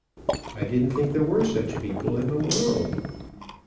I didn't think there were such people in the world.